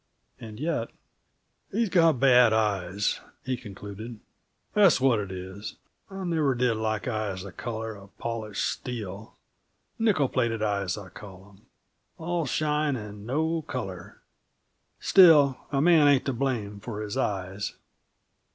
And yet "He's got bad eyes," he concluded. "That's what it is; I never did like eyes the color of polished steel; nickel plated eyes, I call 'em; all shine and no color. Still, a man ain't to blame for his eyes."